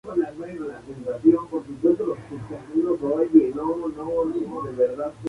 Fue un gran factor para el desarrollo de Croydon como centro de negocios.